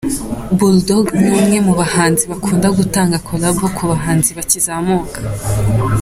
BullDogg ni umwe mu bahanzi bakunda gutanga collabo ku bahanzi bakizamuka.